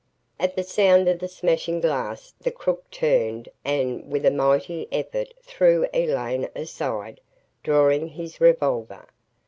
At the sound of the smashing glass the crook turned and with a mighty effort threw Elaine aside, drawing his revolver.